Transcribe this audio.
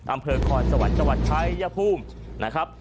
อำเภอคอนสะวันสวัสดิ์ชายภูมินะครับ